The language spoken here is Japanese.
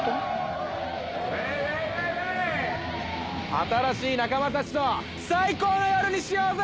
新しい仲間たちと最高の夜にしようぜ！